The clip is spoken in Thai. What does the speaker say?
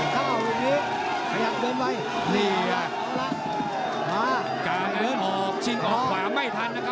กลางนั้นออกชิงออกขวาไม่ทันนะครับ